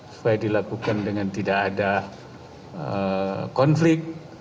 supaya dilakukan dengan tidak ada konflik